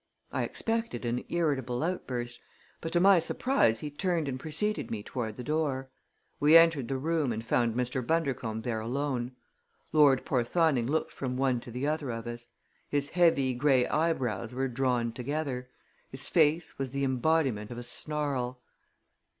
I expected an irritable outburst, but to my surprise he turned and preceded me toward the door. We entered the room and found Mr. Bundercombe there alone. Lord Porthoning looked from one to the other of us. His heavy gray eyebrows were drawn together; his face was the embodiment of a snarl.